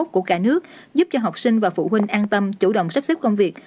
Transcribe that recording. của cả nước giúp cho học sinh và phụ huynh an tâm chủ động sắp xếp công việc